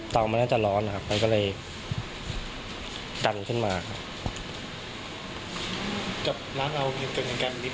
มันน่าจะร้อนนะครับมันก็เลยดันขึ้นมาครับ